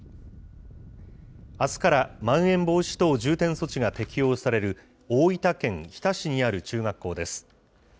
あすからまん延防止等重点措置が適用される大分県日田市にある中学校です。